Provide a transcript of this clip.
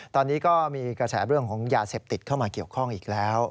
ตอนนี้ก็มีกระแสเรื่องของยาเสพติดเข้ามาเกี่ยวข้องอีกแล้ว